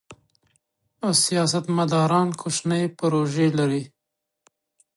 سیاستمداران کوچنۍ پروژې لري.